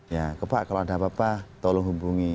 ya ke pak kalau ada apa apa tolong hubungi